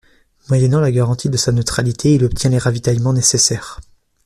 Moyennant la garantie de sa neutralité, il obtient les ravitaillements nécessaires.